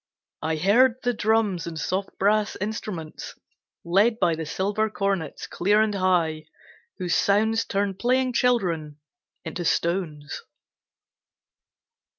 I heard the drums and soft brass instruments, Led by the silver cornets clear and high Whose sounds turned playing children into stones.